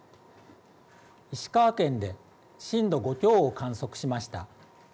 石川県で震度５強を観測しました。